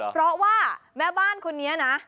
เพราะว่าแม่บ้านคนนี้นะ